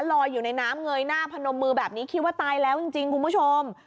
ลอยอยู่ในน้ำเงยหน้าพนมมือแบบนี้คิดว่าตายแล้วจริงคุณผู้ชม